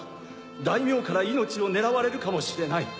大名から命を狙われるかもしれない。